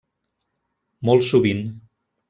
Molt sovint.